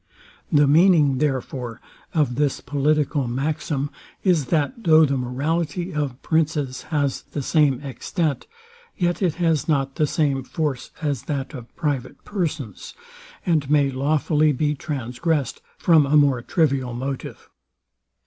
The meaning, therefore, of this political maxim is, that though the morality of princes has the same extent, yet it has not the same force as that of private persons, and may lawfully be trangressed from a more trivial motive.